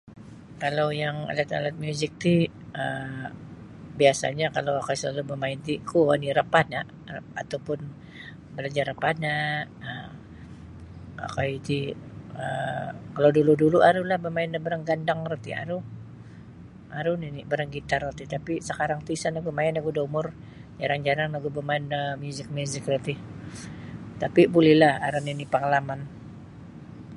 Kalau yang alat-alat muzik ti um biasa'nyo kalau okoi sinunsub bamain ti kuo oni' rapana' atau pun balajar rapana' um okoi ti um kalau dulu-dulu' arulah bamain da barang gandang roti aru aru nini' barang gitar roti tapi sakarang ti isa' no bamain nogu da umur jarang-jarang nogu bamain da alat muzik roti tapi' bulilah aru nini' pangalaman.